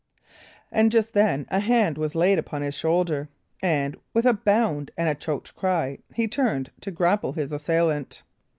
And just then a hand was laid upon his shoulder, and, with a bound and a choked cry, he turned to grapple his assailant.